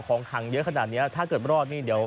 ของขังเยอะขนาดนี้ถ้าเกิดรอดนี่เดี๋ยว